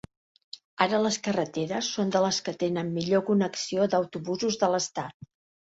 Ara les carreteres són de les que tenen millor connexió d'autobusos de l'estat.